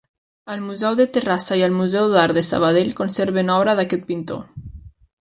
El Museu de Terrassa i el Museu d'Art de Sabadell conserven obra d'aquest pintor.